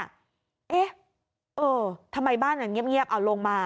เอ๊ะเออทำไมบ้านเงียบเอาลงมา